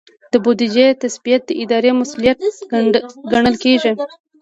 د بودیجې تثبیت د ادارې مسؤلیت ګڼل کیږي.